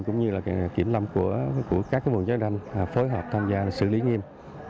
cũng như là kiểm lâm của các vùng chói ranh phối hợp tham gia xử lý nghiêm